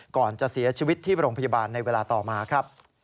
ก่อนจะเสียชีวิตที่โรงพยาบาลในเวลาต่อมาครับ